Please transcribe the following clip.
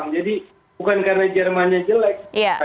jadi bukan karena jermannya jelek